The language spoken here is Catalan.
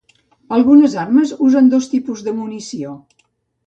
Algunes armes usen dos tipus de munició.